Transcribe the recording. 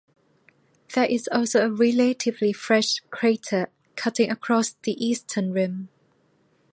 There is also a relatively fresh crater cutting across the eastern rim.